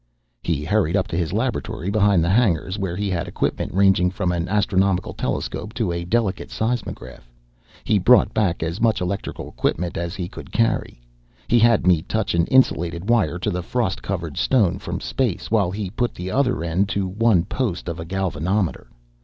He hurried up to his laboratory behind the hangars, where he had equipment ranging from an astronomical telescope to a delicate seismograph. He brought back as much electrical equipment as he could carry. He had me touch an insulated wire to the frost covered stone from space, while he put the other end to one post of a galvanometer.